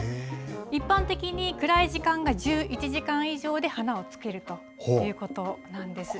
一般的に暗い時間が１１時間以上で花をつけるということなんです。